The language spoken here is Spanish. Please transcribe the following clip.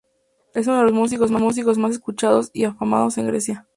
Es uno de los músicos más escuchados y afamados en Grecia.